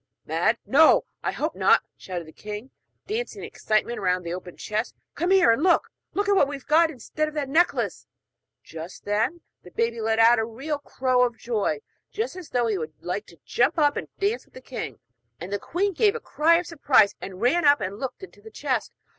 'Mad? no, I hope not,' shouted the king, dancing in excitement round the open chest. 'Come here, and look! Look what we've got instead of that necklace!' Just then the baby let out a great crow of joy, as though he would like to jump up and dance with the king; and the queen gave a cry of surprise, and ran up and looked into the chest.